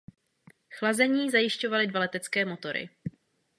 Chlazení zajišťovaly dva letecké motory.